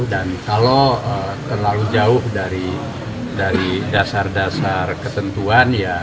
dan kalau terlalu jauh dari dasar dasar ketentuan